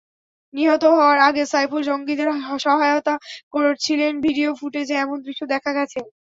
নিহত হওয়ার আগে সাইফুল জঙ্গিদের সহায়তা করছিলেন—ভিডিও ফুটেজে এমন দৃশ্য দেখা গেছে।